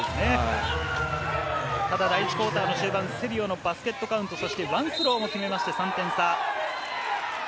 ただ、第１クオーターの終盤、セリオのバスケットカウントワンスローを決めまして、３点差。